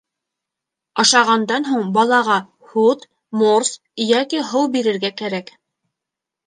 Ашағандан һуң балаға һут, морс йәки һыу бирергә кәрәк.